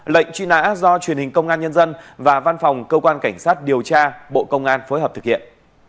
lệnh truy nã do truyền hình công an nhân dân và văn phòng cơ quan cảnh sát điều tra bộ công an phối hợp thực hiện